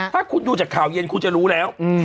ถ้าคุณดูจากข่าวเย็นคุณจะรู้แล้ว